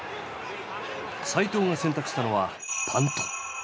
齋藤が選択したのはパント。